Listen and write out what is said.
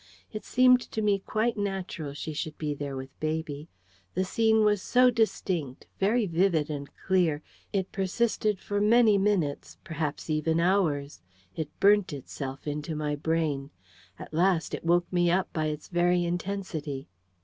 It seemed to me quite natural she should be there with baby. The scene was so distinct very vivid and clear. It persisted for many minutes, perhaps even hours. It burnt itself into my brain. At last, it woke me up by its very intensity.